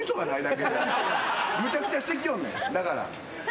むちゃくちゃしてきよんねん。